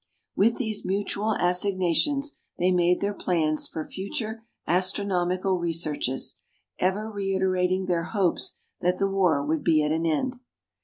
With these mutual assignations they made their plans for future astronomical researches, ever reiterating their hopes that the war would be at an end.